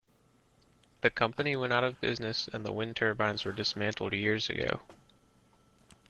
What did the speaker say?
The company went out of business and the wind turbines were dismantled years ago.